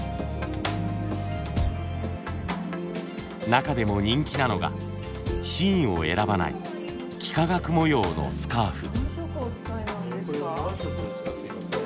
中でも人気なのがシーンを選ばない幾何学模様のスカーフ。